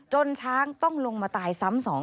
ช้างต้องลงมาตายซ้ำสอง